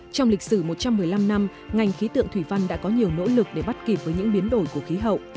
trong lịch sử một trăm một mươi năm năm ngành khí tượng thủy văn đã có nhiều nỗ lực để bắt kịp với những biến đổi của khí hậu